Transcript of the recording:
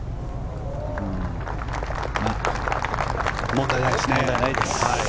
問題ないです。